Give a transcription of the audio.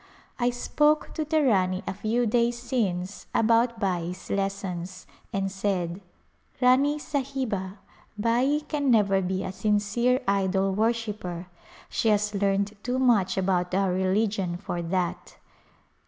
I spoke to the Rani a few days since about Bai's lessons, and said, " Rani Sahiba, Bai can never be a sincere idol worshipper. She has learned too much about our religion for that."